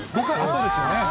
そうですよね。